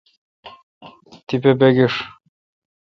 تیپہ بگیݭ ۔